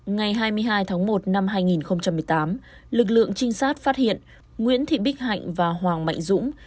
ngày hai mươi hai tháng một năm hai nghìn một mươi tám lực lượng trinh sát phát hiện nguyễn thị bích hạnh và hoàng mạnh dũng